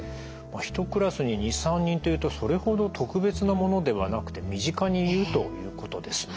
１クラスに２３人というとそれほど特別なものではなくて身近にいるということですね。